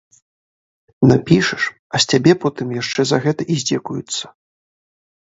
Напішаш, а з цябе потым яшчэ за гэта і здзекуюцца.